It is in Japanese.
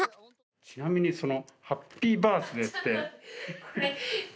ちなみにその。